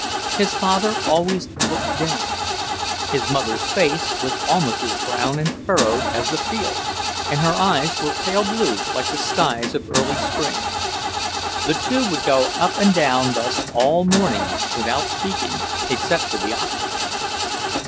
His father always looked down. His mother's face was almost as brown and furrowed as the fields, and her eyes were pale blue, like the skies of early spring. The two would go up and down thus all morning without speaking, except to the oxen.